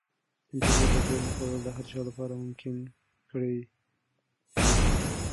انټرنیټ د پوهې خپرول د هر چا لپاره ممکن کړي دي.